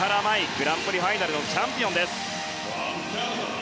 グランプリファイナルのチャンピオンです。